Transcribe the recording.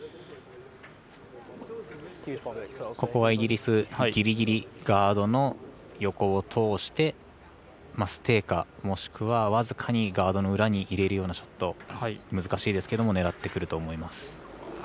ここはイギリスぎりぎりガードの横を通してステイか、もしくは僅かにガードの裏に入れるようなショット難しいですけど狙ってくると思います。